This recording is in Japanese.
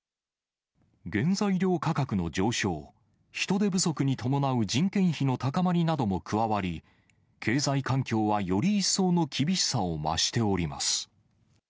原材料価格の上昇、人手不足に伴う人件費の高まりなども加わり、経済環境はより一層の厳しさを増しております。